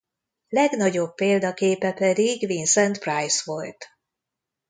Legnagyobb példaképe pedig Vincent Price volt.